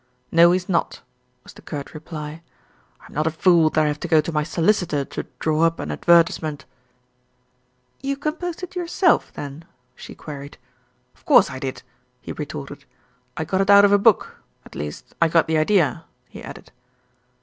"No, he's not," was the curt reply. "I'm not a fool that I have to go to my solicitor to draw ur> an advertisement." 275 276 THE RETURN OF ALFRED "You composed it yourself then?" she queried. "Of course I did," he retorted. "I got it out of a book, at least I got the idea," he added.